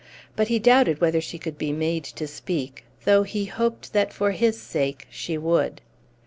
But he doubted whether she could be made to speak, though he hoped that for his sake she would.